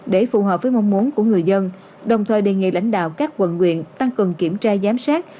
để phù hợp với mong muốn của người dân đồng thời đề nghị lãnh đạo các quận quyện tăng cường kiểm tra giám sát